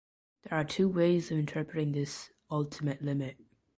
There are two ways of interpreting this "ultimate limit".